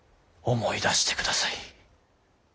思い出してください。